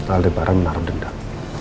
al di barang menaruh dendam